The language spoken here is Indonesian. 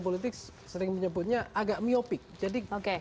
politik sering menyebutnya agak myopic jadi oke sudut pandangnya itu adalah kekuasaan yang